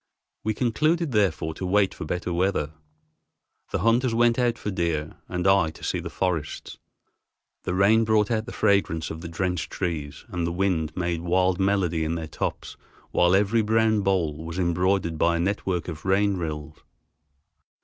We concluded therefore to wait for better weather. The hunters went out for deer and I to see the forests. The rain brought out the fragrance of the drenched trees, and the wind made wild melody in their tops, while every brown bole was embroidered by a network of rain rills.